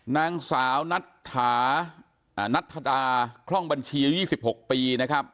นางสาวนัดทรานัดทราคล่องบัญชี๒๖ปีนะครับ